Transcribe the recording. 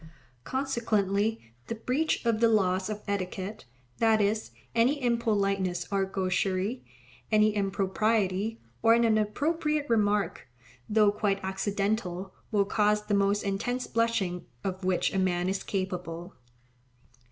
Consequently the breach of the laws of etiquette, that is, any impoliteness or gaucherie, any impropriety, or an inappropriate remark, though quite accidental, will cause the most intense blushing of which a man is capable.